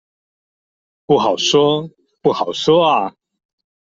不好說，不好說阿